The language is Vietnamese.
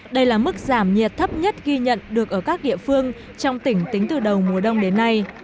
đây là mức giảm nhiệt thấp nhất ghi nhận được ở các địa phương trong tỉnh tính từ đầu mùa đông đến nay